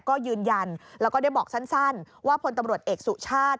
ก็ยืนยันแล้วก็ได้บอกสั้นว่าพลตำรวจเอกสุชาติ